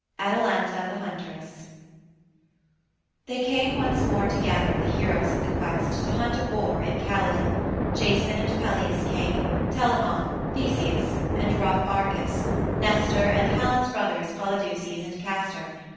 ATALANTA THE HUNTRESS I They came once more together, the heroes of the quest, to hunt a boar in Calydon Jason and Peleus came, Telamon, Theseus, and rough Arcas, Nestor and Helen's brothers Polydeuces and Castor.